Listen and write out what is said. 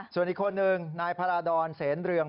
ส่วนอีกคนนึงนายพาราดรเสนเรือง